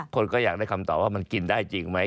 คนก็อยากได้คำตอบว่ามันกินได้จริงไหม